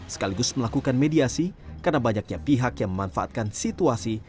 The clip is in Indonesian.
sekaligus melakukan mediasi karena banyaknya pihak yang memanfaatkan situasi